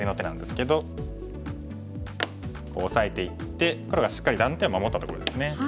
こうオサえていって黒がしっかり断点を守ったところですね。